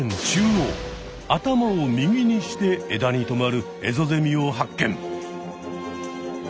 中央頭を右にして枝にとまるエゾゼミを発見！